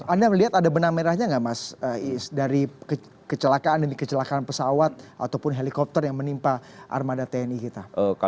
anda melihat ada benang merahnya nggak mas dari kecelakaan demi kecelakaan pesawat ataupun helikopter yang menimpa armada tni kita